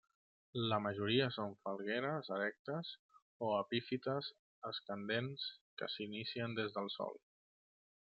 La majoria són falgueres erectes o epífites escandents que s'inicien des del sòl.